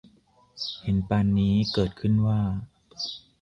เห็นปานนี้เกิดขึ้นว่า